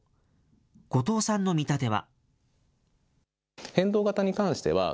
後藤さんの見立ては。